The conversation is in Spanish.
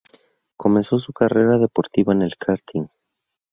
Comenzó su carrera deportiva en el karting.